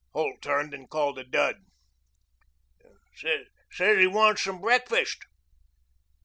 Holt turned and called to Dud. "Says he wants some breakfast."